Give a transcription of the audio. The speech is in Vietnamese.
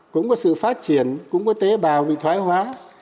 cũng có sự phát triển cũng có tế bào bị thoái hóa